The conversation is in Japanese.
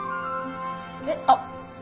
えっ？あっ。